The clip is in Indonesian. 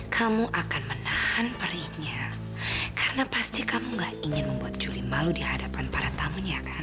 kamu akan menahan perihnya karena pasti kamu gak ingin membuat juli malu di hadapan para tamunya kan